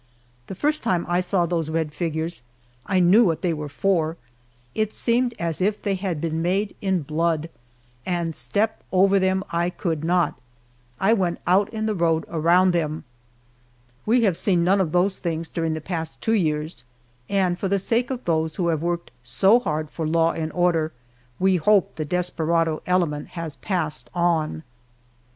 The first time I saw those red figures I knew what they were for it seemed as if they had been made in blood, and step over them I could not. I went out in the road around them. We have seen none of those things during the past two years, and for the sake of those who have worked so hard for law and order, we hope the desperado element has passed on.